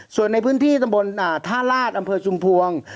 ส่วนในพื้นที่ตำบลท่าลาศอำเภอชุมพวง